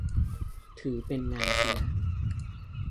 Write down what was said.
ถือเป็นงานสินะ